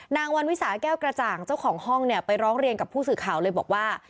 นางวันวิสาแก้วกระจ่างเจ้าของห้องเนี่ยไปร้องเรียนกับผู้สื่อข่าวเลยบอกว่า